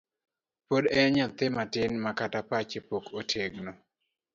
Pod en nyathi matin makata pache pok otegno.